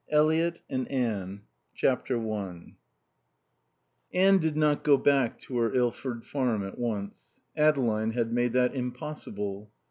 V ELIOT AND ANNE i Anne did not go back to her Ilford farm at once. Adeline had made that impossible.